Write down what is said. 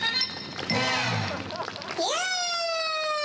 イエイ！